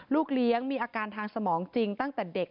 ลูกเลี้ยงมีอาการทางสมองจริงตั้งแต่เด็ก